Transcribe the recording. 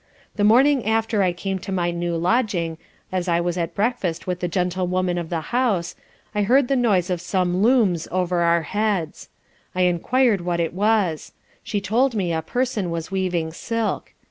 The morning after I came to my new lodging, as I was at breakfast with the gentlewoman of the house, I heard the noise of some looms over our heads: I enquir'd what it was; she told me a person was weaving silk.